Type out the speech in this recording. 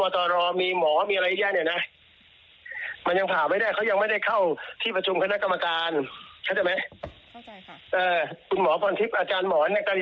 ต้องรายงานไปยังนิติวิทยาศาสตร์